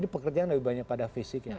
jadi pekerjaan lebih banyak pada fisiknya